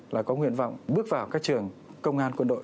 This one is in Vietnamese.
là có nguyện vọng bước vào các trường công an quân đội